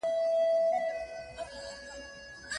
ثیبې دا ګډ ژوند څنګه تجربه کړی دی؟